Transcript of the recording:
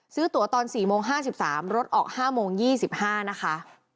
ซื้อตั๋วตอนสี่โมงห้าสิบสามรถออกห้าโมงยี่สิบห้านะคะ